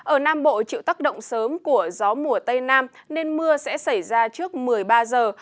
ở nam bộ chịu tác động sớm của gió mùa tây nam nên mưa sẽ xảy ra trước một mươi ba giờ